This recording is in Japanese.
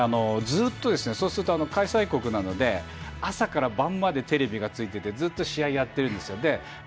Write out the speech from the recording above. そうすると開催国なので朝から晩までテレビがついていてずっと試合をやってるんですよ。